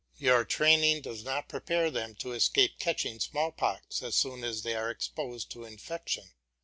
Your training does not prepare them to escape catching smallpox as soon as they are exposed to infection.